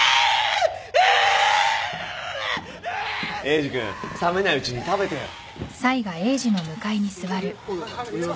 エイジ君冷めないうちに食べてよ。